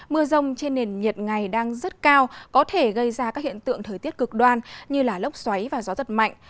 mưa rông trên nền nhiệt ngày đang rất cao có thể gây ra các hiện tượng thời tiết cực đoan như lốc xoáy và gió giật mạnh